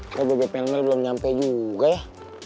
bebek bebek mel mel belum nyampe juga ya